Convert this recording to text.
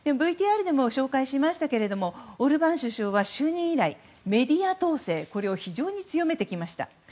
ＶＴＲでも紹介しましたがオルバーン首相は就任以来、メディア統制を非常に強めてきました。